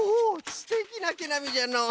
すてきなけなみじゃのう。